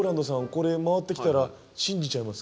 これ回ってきたら信じちゃいますか？